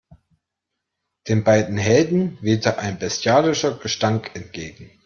Den beiden Helden wehte ein bestialischer Gestank entgegen.